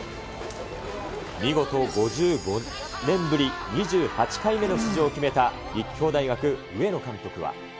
見事５５年ぶり２８回目の出場を決めた立教大学、上野監督は。